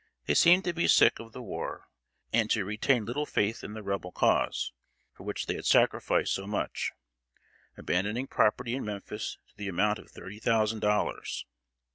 They seemed to be sick of the war, and to retain little faith in the Rebel cause, for which they had sacrificed so much, abandoning property in Memphis to the amount of thirty thousand dollars.